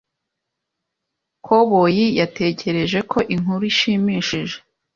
Koboyi yatekereje ko inkuru ishimishije.